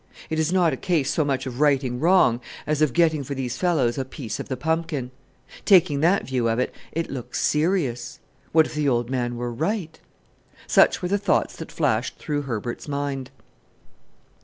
It is not a case so much of righting wrong, as of getting for these fellows a piece of the pumpkin. Taking that view of it, it looks serious. What if the old man were right!" Such were the thoughts that flashed through Herbert's mind.